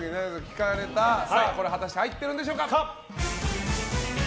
果たして入っているんでしょうか。